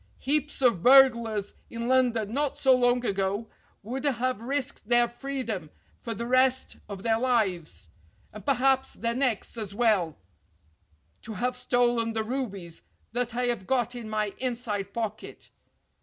Heaps of burglars in London not so long ago would have risked their freedom for the rest of their lives, and perhaps their necks as well, to have stolen the rubies that I have got in my inside pocket.